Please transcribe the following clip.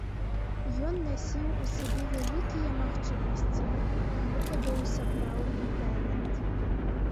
Ён насіў у сабе вялікія магчымасці, гэта быў сапраўдны талент.